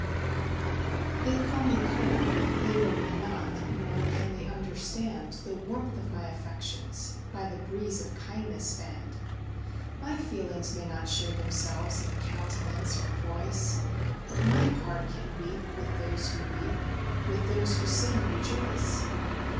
They call me cold they know me not, nor can they understand The warmth of my affections, by the breeze of kindness fanned; My feelings may not show themselves in countenance or voice, But my heart can weep with those who weep with those who sing, rejoice!